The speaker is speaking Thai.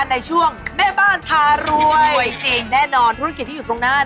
ในช่วงแม่บ้านพารวย